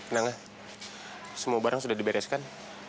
nangah semua barang sudah dibereskan